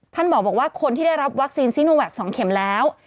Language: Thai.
บอกว่าคนที่ได้รับวัคซีนซีโนแวค๒เข็มแล้ว